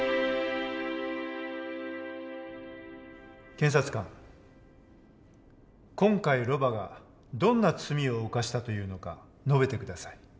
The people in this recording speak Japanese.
検察官今回ロバがどんな罪を犯したというのか述べて下さい。